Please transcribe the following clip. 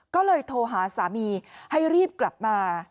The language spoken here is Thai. ก็เลยโทรหาสามีให้รีบกลับมา